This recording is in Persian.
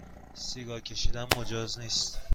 سیگار کشیدن مجاز نیست